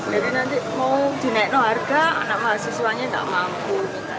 jadi nanti mau dinaikin harga anak mahasiswanya gak mampu